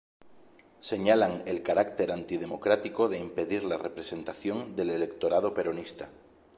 Señalan el carácter antidemocrático de impedir la representación del electorado peronista.